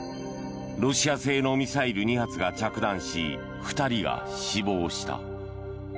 ロシア製のミサイル２発が着弾し２人が死亡した。